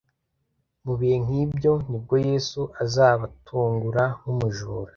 mu bihe nk'ibyo nibwo Yesu azabatungura nk'umujura.